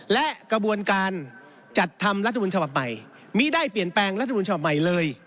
และกระบวนการจัดทำรัฐมนต์ฉบับใหม่ไม่ได้เปลี่ยนแปลงรัฐบุญฉบับใหม่เลย